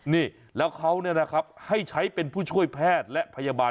นี่แล้วเขาเนี่ยนะครับให้ใช้เป็นผู้ช่วยแพทย์และพยาบาล